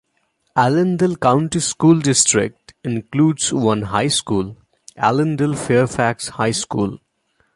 Allendale County School District includes one high school: Allendale-Fairfax High School.